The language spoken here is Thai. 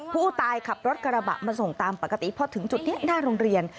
ผู้ตายขับรถกระบะมาส่งตามปกติพอถึงจุดนี้หน้าโรงเรียน